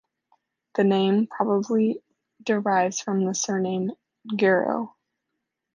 The name probably derives from the surname "Gero".